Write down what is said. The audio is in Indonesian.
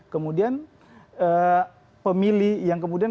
kemudian pemilih yang kemudian